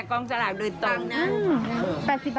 ผ่านทางแอปเผาตังค์ใช่ไหมคะใช่ค่ะผ่านทางแอปเผาตังค์ค่ะ